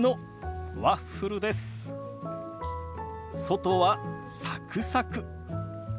外はサクサク。